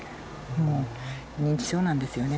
もう、認知症なんですよね。